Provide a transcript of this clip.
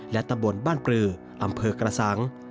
ตำบลบ้านปลืออำเภอกระสัง